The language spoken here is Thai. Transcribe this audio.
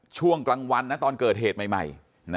ช่วงกลางวันตอนเกิดเหตุใหม่